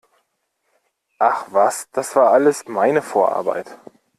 Ach was, das war alles meine Vorarbeit!